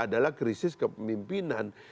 adalah krisis kepemimpinan